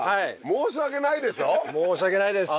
申し訳ないです。